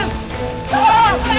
mas kemana ini